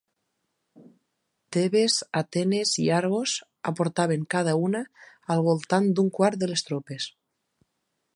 Tebes, Atenes i Argos aportaven cada una al voltant d'un quart de les tropes.